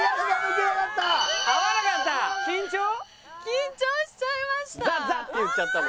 緊張しちゃいました。